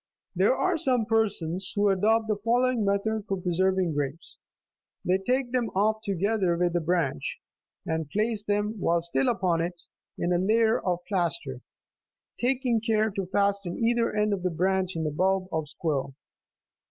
There are some persons who adopt the following method for preserving grapes. They take them off together with the branch, and place them, while still upon it, in a layer of plaster,32 taking care to fasten either end of the branch in a bulb of squill.